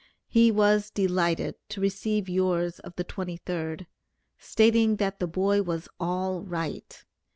He was delighted to receive yours of the 23d, stating that the boy was all right.